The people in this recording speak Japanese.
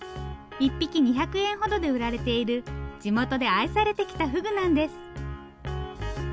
１匹２００円ほどで売られている地元で愛されてきたフグなんです。